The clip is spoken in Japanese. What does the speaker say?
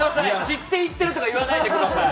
散っていってるとか言わないでください。